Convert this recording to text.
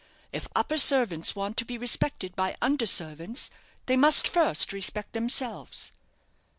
If upper servants want to be respected by under servants, they must first respect themselves."